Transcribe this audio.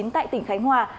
tại tỉnh khánh hòa